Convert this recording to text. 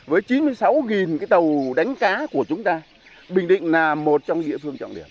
với chín mươi sáu cái tàu đánh cá của chúng ta bình định là một trong địa phương trọng điểm